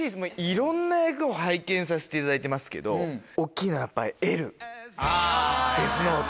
いろんな役を拝見させていただいてますけど大っきいのはやっぱＬ『ＤＥＡＴＨＮＯＴＥ』。